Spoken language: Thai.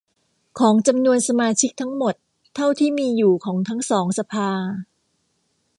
ของจำนวนสมาชิกทั้งหมดเท่าที่มีอยู่ของทั้งสองสภา